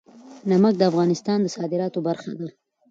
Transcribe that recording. نمک د افغانستان د صادراتو برخه ده.